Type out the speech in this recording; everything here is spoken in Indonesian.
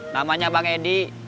namanya bang edi